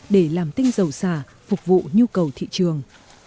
để làm tinh dầu xả phục vụ nhu cầu thị trường